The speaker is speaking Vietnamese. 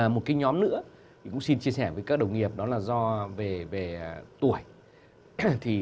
một nhóm nữa cũng xin chia sẻ với các đồng nghiệp đó là do về tuổi